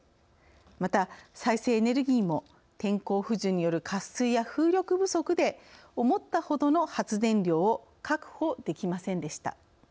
また、再生エネルギーも天候不順による渇水や風力不足で思ったほどの発電量を確保できませんでした。